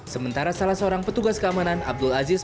sementara salah seorang petugas keamanan abdul aziz